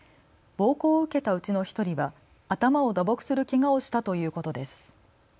暴行を受けたうちの１人は頭を打撲するけがをしたということです。